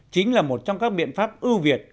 chính là một trong các biện pháp ưu việt